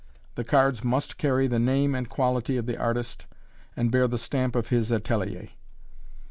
The cards must carry the name and quality of the artist, and bear the stamp of his atelier.